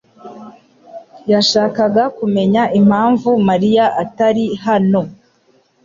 yashakaga kumenya impamvu Mariya atari hano.